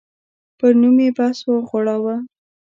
پر نوم یې بحث وغوړاوه.